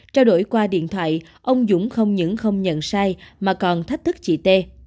trao đổi qua điện thoại ông dũng không những không nhận sai mà còn thách thức chị t